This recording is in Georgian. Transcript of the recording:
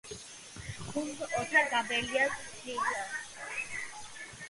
გუნდს ოთარ გაბელია წვრთნიდა.